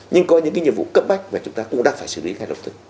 nhưng có những cái nhiệm vụ cấp bách mà chúng ta cũng đang phải xử lý ngay lập tức